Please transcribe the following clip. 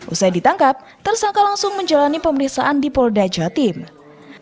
usai ditangkap tersangka langsung menjalani pemeriksaan di polda jawa timur